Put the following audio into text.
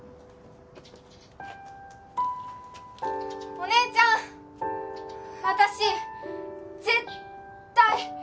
お姉ちゃん私絶対